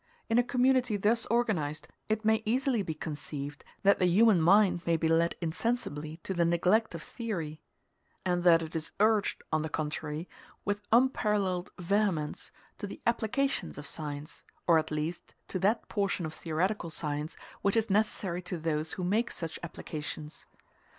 In a community thus organized it may easily be conceived that the human mind may be led insensibly to the neglect of theory; and that it is urged, on the contrary, with unparalleled vehemence to the applications of science, or at least to that portion of theoretical science which is necessary to those who make such applications.